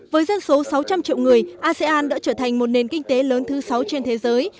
với dân số sáu trăm linh triệu người asean đã trở thành một nền kinh tế lớn thứ sáu trên thế giới